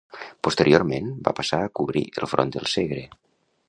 Posteriorment va passar a cobrir el front del Segre.